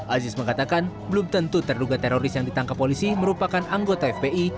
aziz mengatakan belum tentu terduga teroris yang ditangkap polisi merupakan anggota fpi